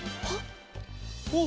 おっ！